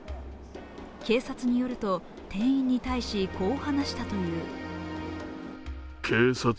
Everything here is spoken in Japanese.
警察によると、店員に対しこう話したという。